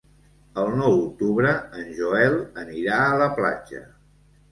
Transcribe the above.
El nou d'octubre en Joel anirà a la platja.